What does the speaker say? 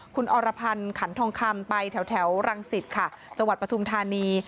คุณอรพันธ์ขันทองคำไปแถวรังสิตค่ะจังหวัดปฐุมธานี